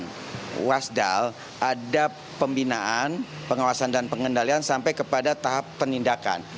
di kawasan wasdal ada pembinaan pengawasan dan pengendalian sampai kepada tahap penindakan